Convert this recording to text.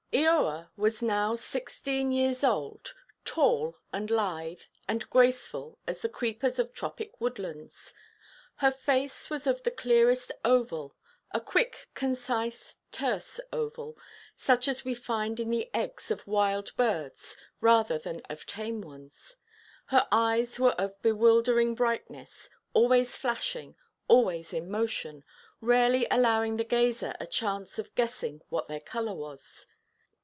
Eoa was now sixteen years old, tall, and lithe, and graceful as the creepers of tropic woodlands. Her face was of the clearest oval, a quick concise terse oval, such as we find in the eggs of wild birds rather than of tame ones. Her eyes were of bewildering brightness, always flashing, always in motion, rarely allowing the gazer a chance of guessing what their colour was.